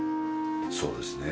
そうですね。